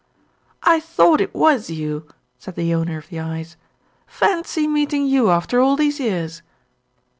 "I thought it was you," said the owner of the eyes. "Fancy meeting you after all these years."